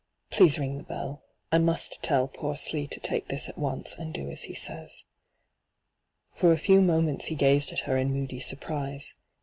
Please ring the belt I must tell poor Slee to take this at once and do as he says.' For a few momenta he gazed at her in moody surprise.